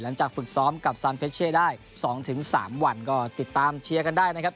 หลังจากฝึกซ้อมกับได้สองถึงสามวันก็ติดตามเชียร์กันได้นะครับ